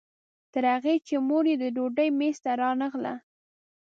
تر هغې چې مور یې د ډوډۍ میز ته رانغله.